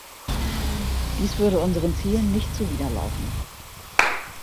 Dies würde unseren Zielen nicht zuwider laufen.